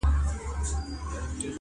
شهيد زما دی، د وېرژلو شيون زما دی!